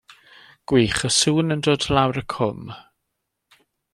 Gwych, y sŵn yn dod lawr y cwm.